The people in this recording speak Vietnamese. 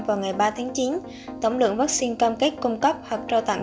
vào ngày ba tháng chín tổng lượng vaccine cam kết cung cấp hoặc trao tặng